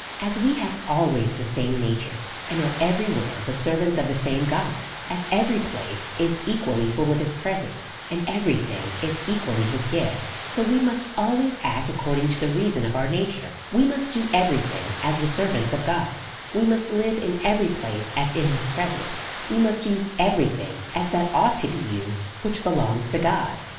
As we have always the same natures, and are every where the servants of the same God, as every place is equally full of his presence, and every thing is equally his gift, so we must always act according to the reason of our nature ; Ave must do every thing as the servants of God; we must live in every place as in his presence; we must use every thing as that ought to be used which belongs to God.